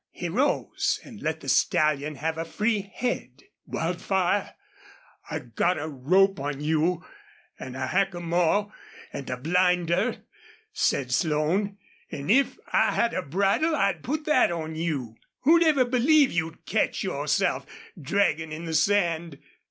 He rose and let the stallion have a free head. "Wildfire, I got a rope on you an' a hackamore an' a blinder," said Slone. "An' if I had a bridle I'd put that on you.... Who'd ever believe you'd catch yourself, draggin' in the sand?"